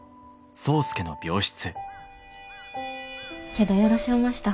けどよろしおました。